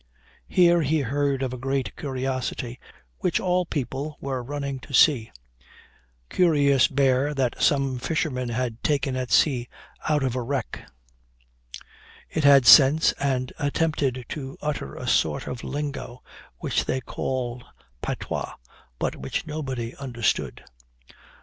Here he heard of a great curiosity, which all people were running to see curious bear that some fishermen had taken at sea out of a wreck; it had sense, and attempted to utter a sort of lingo, which they called patois, but which nobody understood.